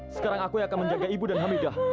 sekarang aku yang akan menjaga ibu dan hamidah